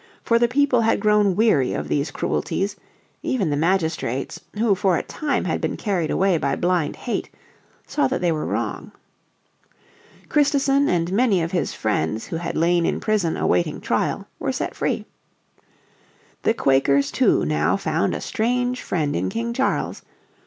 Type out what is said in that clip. For the people had grown weary of these cruelties; even the magistrates, who for a time had been carried away by blind hate, saw that they were wrong. Christison and many of his friends who had lain in prison awaiting trial were set free. The Quakers, too, now found a strange friend in King Charles.